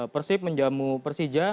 persib menjamu persija